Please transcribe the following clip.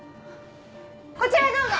こちらへどうぞ！